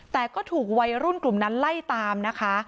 แต่ก็ถูกวัยรุ่นกลุ่มนั้นไล่ตามนะคะ